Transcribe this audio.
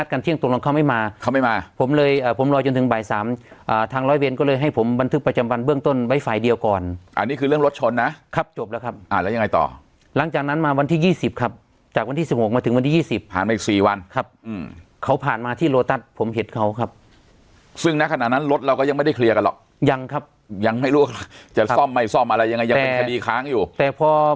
ส่วนพี่อดุลบอกอยากจะไปซ่อมที่ศูนย์ใช่ไหมครับผมส่วนพี่อดุลบอกอยากจะไปซ่อมที่ศูนย์ใช่ไหมครับผมส่วนพี่อดุลบอกอยากจะไปซ่อมที่ศูนย์ใช่ไหมครับผมส่วนพี่อดุลบอกอยากจะไปซ่อมที่ศูนย์ใช่ไหมครับผมส่วนพี่อดุลบอกอยากจะไปซ่อมที่ศูนย์ใช่ไหมครับผมส่วนพี่อดุลบอกอยากจะไปซ่อมที่ศูนย์ใช่ไหมครับผมส่วนพ